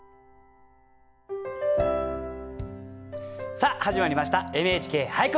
さあ始まりました「ＮＨＫ俳句」。